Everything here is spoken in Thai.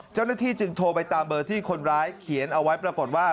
เจ้าหน้าที่จึงโทรไปตามเบอร์ที่คนร้ายเขียนเอาไว้ปรากฏว่า